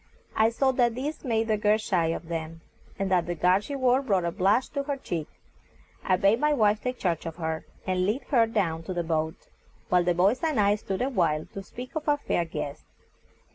I saw that this made the girl shy of them, and that the garb she wore brought a blush to her cheek. I bade my wife take charge of her, and lead her down to the boat, while the boys and I stood a while to speak of our fair guest.